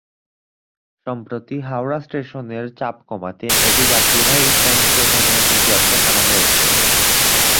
সম্প্রতি হাওড়া স্টেশনের চাপ কমাতে এটি যাত্রীবাহী ট্রেন স্টেশনের নেটওয়ার্কে আনা হয়েছে।